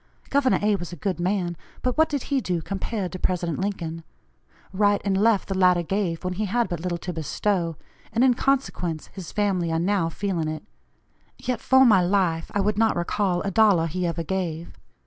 Gov. A. was a good man, but what did he do compared to President Lincoln? Right and left the latter gave, when he had but little to bestow, and in consequence his family are now feeling it; yet for my life I would not recall a dollar he ever gave.